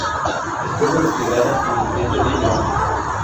Estuvo desplegada en el frente de Levante.